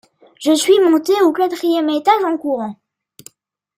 Je suis monté au quatrième étage en courant.